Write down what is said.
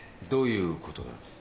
どういうことだ？